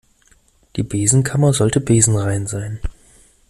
Die Besenkammer sollte besenrein sein.